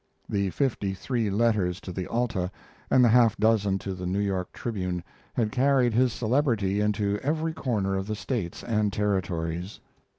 The fifty three letters to the Alta and the half dozen to the New York Tribune had carried his celebrity into every corner of the States and Territories.